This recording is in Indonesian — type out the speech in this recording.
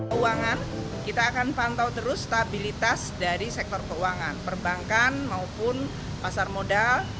keuangan kita akan pantau terus stabilitas dari sektor keuangan perbankan maupun pasar modal